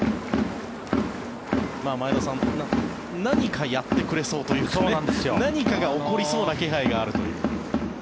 前田さん何かやってくれそうというか何かが起こりそうな気配があるという。